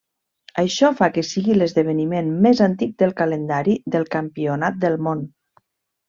Això fa que sigui l'esdeveniment més antic del calendari del Campionat del Món.